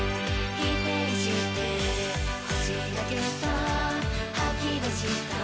否定して欲しいだけさ吐き出した